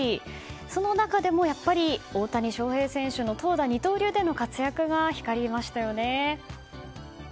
その中でもやっぱり大谷翔平選手の投打二刀流での活躍が光りましたよね。